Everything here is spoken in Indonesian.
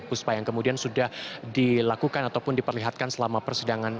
puspa yang kemudian sudah dilakukan ataupun diperlihatkan selama persidangan